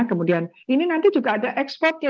kemudian ini nanti juga ada ekspornya